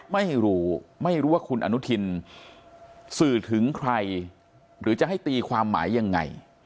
ไม่รู้ไม่รู้ว่าคุณอนุทินสื่อถึงใครหรือจะให้ตีความหมายยังไง